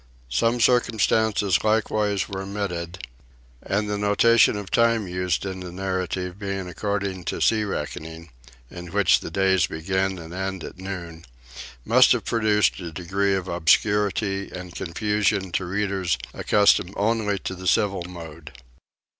Some circumstances likewise were omitted; and the notation of time used in the Narrative being according to sea reckoning, in which the days begin and end at noon, must have produced a degree of obscurity and confusion to readers accustomed only to the civil mode.